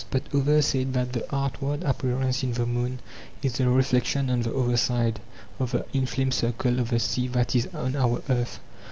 But others said that the outward appearance in the moon is a reflection on the other side of the inflamed circle of the sea that is on our earth.